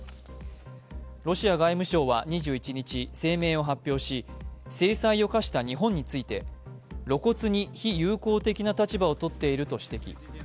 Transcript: ロシア外務省は２１日、声明を発表し制裁を科した日本について、露骨に非友好的な立場をとっていると指摘。